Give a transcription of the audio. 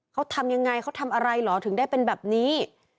เขาทำยังไงเขาทำอะไรเหรอถึงได้เป็นแบบนี้